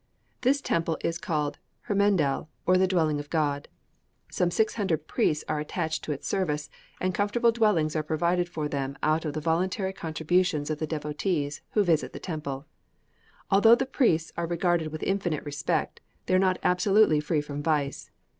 This temple is called Hermendel, or the Dwelling of God. Some 600 priests are attached to its service, and comfortable dwellings are provided for them out of the voluntary contributions of the devotees who visit the temple. Although the priests are regarded with infinite respect, they are not absolutely free from vice.